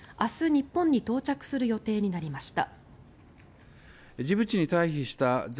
日本に到着する予定になりました。